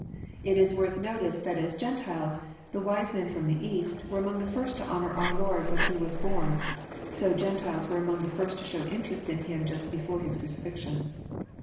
It is worth notice that as Gentiles, the wise men from the East, were among the first to honour our Lord when He was born, so Gentiles were among the first to show interest in Him just before His cruci fixion.